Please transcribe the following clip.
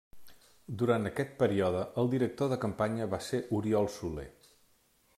Durant aquest període, el director de campanya va ser Oriol Soler.